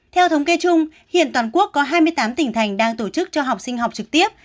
theo thống kê chung hiện toàn quốc có hai mươi tám tỉnh thành đang tổ chức cho học sinh học trực tiếp